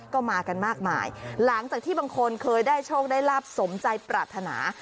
ก็มากันมากมายหลังจากที่บางคนเคยได้โชคได้ลาบสมใจปรารถนา